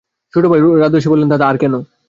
ছোটো ভাই রাধু এসে বললে, দাদা, আর কেন?